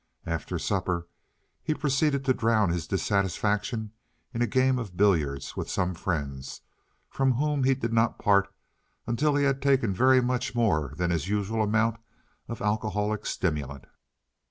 After supper he proceeded to drown his dissatisfaction in a game of billiards with some friends, from whom he did not part until he had taken very much more than his usual amount of alcoholic stimulant.